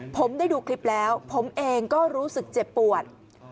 ผมได้ดูคลิปแล้วผมเองก็รู้สึกเจ็บปวด